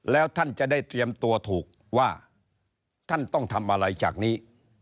แล้วท่านจะได้เตรียมตัวถูกว่าท่านต้องทำอะไรจากนี้